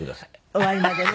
終わりまでね。